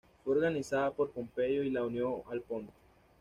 Fue organizada por Pompeyo y la unió al Ponto.